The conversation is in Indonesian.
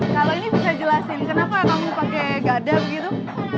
kalau ini bisa jelasin kenapa kamu pakai gada begitu